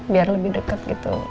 biar lebih dekat gitu